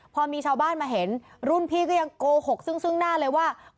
พอมีชาวบ้านมาเห็นรุ่นพี่ก็ยังโกหกซึ่งหน้าเลยว่า